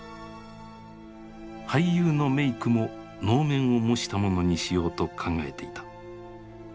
俳優のメークも能面を模したものにしようと考えていた。